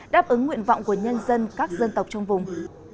đáp ứng nguyện vọng của nhân dân các dân tộc trong vùng